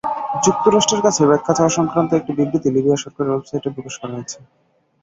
যুক্তরাষ্ট্রের কাছে ব্যাখ্যা চাওয়া-সংক্রান্ত একটি বিবৃতি লিবিয়া সরকারের ওয়েবসাইটে প্রকাশ করা হয়েছে।